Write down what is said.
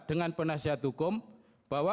dengan penasihat hukum bahwa